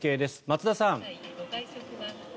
松田さん。